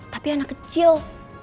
tapi anak kecil